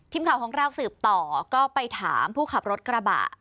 ทีมข่าวของเราสืบต่อก็ไปถามผู้ขับรถกระบะ